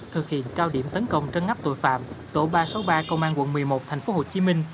thực hiện cao điểm tấn công trân ngắp tội phạm tổ ba trăm sáu mươi ba công an quận một mươi một thành phố hồ chí minh